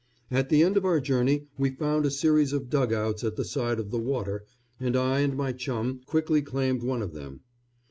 At the end of our journey we found a series of dug outs at the side of the water, and I and my chum quickly claimed one of them.